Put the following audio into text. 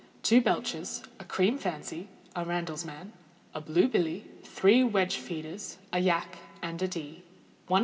Two belchers, a cream fancy, a randlesman, and a blue billy; three wedge feeders, a yack, and a dee.